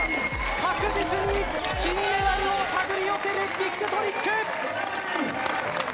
確実に金メダルを手繰り寄せるビッグトリック。